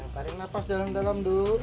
tarik nafas dalam dalam dulu